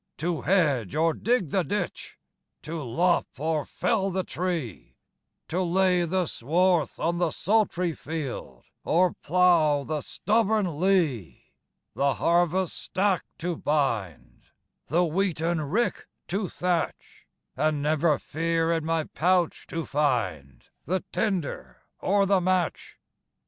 To hedge, or dig the ditch, To lop or fell the tree, To lay the swarth on the sultry field, Or plough the stubborn lea; The harvest stack to bind, The wheaten rick to thatch, And never fear in my pouch to find The tinder or the match.